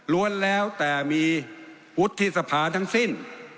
้วนแล้วแต่มีวุฒิสภาทั้งสิ้น